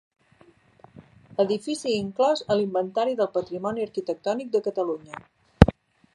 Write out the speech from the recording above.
Edifici inclòs a l'Inventari del Patrimoni Arquitectònic de Catalunya.